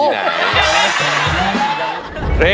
อยู่ที่ไหน